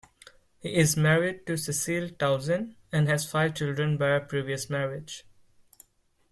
He is married to Cecile Tauzin and has five children by a previous marriage.